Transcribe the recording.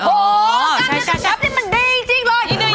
โอ้การนึกขับมันดีจริงเลย